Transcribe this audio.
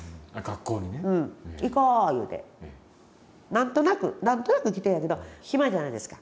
何となく何となく来てんやけど暇じゃないですか。